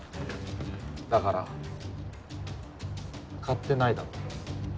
だから買ってないだろ？